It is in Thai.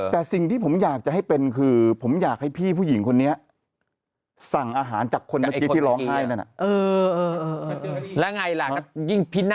แต่ถ้าเป็นเล็กกว่าหน่อยก็จะไม่มีนิตินะพี่